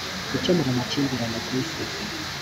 gukemura amakimbirane ku isi